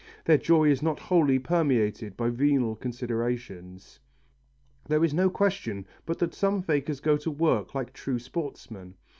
Their joy is not wholly permeated by venal considerations. There is no question but that some fakers go to work like true sportsmen.